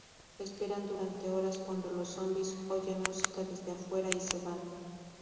Esperan durante horas cuando los zombis oyen música desde fuera y se van.